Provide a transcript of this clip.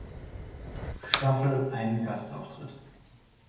Staffel einen Gastauftritt.